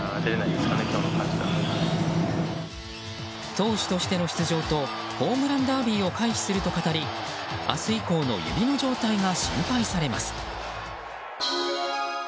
投手としての出場とホームランダービーを回避すると語り明日以降の指の状態が心配されます。